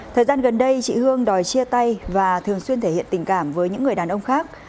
thời gian gần đây chị hương đòi chia tay và thường xuyên thể hiện tình cảm với những người đàn ông khác